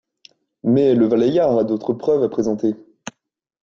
Mais le Valeyard a d'autres preuves à présenter...